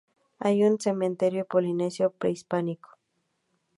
Hay un cementerio polinesio prehispánico.